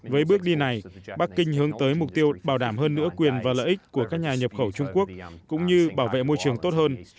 với bước đi này bắc kinh hướng tới mục tiêu bảo đảm hơn nữa quyền và lợi ích của các nhà nhập khẩu trung quốc cũng như bảo vệ môi trường tốt hơn